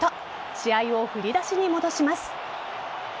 試合を振り出しに戻します。